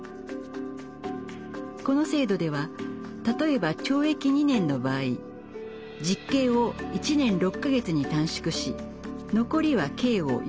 この制度では例えば懲役２年の場合実刑を１年６か月に短縮し残りは刑を猶予。